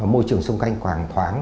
môi trường xung quanh khoảng thoáng